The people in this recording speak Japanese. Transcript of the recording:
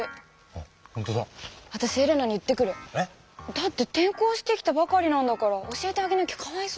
だって転校してきたばかりなんだから教えてあげなきゃかわいそうでしょう。